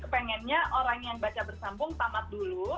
pengennya orang yang baca bersambung tamat dulu